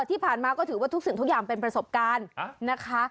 ที่ผ่านมาก็ถือว่าทุกสิ่งทุกอย่างเป็นประสบการณ์นะคะ